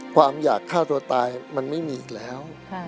ความอยากฆ่าตัวตายมันไม่มีอีกแล้ว